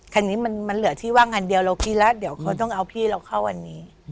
คันนี้มันเหลือที่ว่างงานเดียวเรากินแล้วเดี๋ยวเขาต้องเอาพี่เราเข้าวันนี้